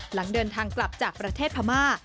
หลังเดินทางกลับจากประเทศพม่า